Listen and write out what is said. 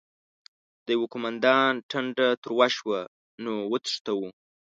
د يوه قوماندان ټنډه تروه شوه: نو وتښتو؟!